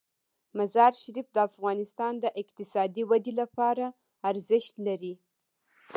مزارشریف د افغانستان د اقتصادي ودې لپاره ارزښت لري.